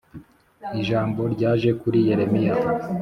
ijambo ryaje kuri Yeremiya